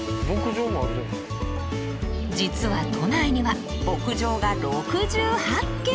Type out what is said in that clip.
実は都内には牧場が６８軒！